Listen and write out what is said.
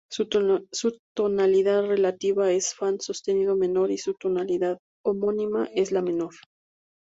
Su tonalidad relativa es fa sostenido menor, y su tonalidad homónima es la menor.